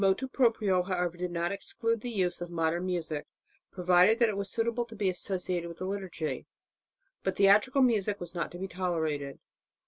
The motu proprio, however, did not exclude the use of modern music, provided that it was suitable to be associated with the liturgy; but theatrical music was not to be tolerated.